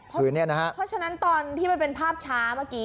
เพราะฉะนั้นตอนที่มันเป็นภาพช้าเมื่อกี้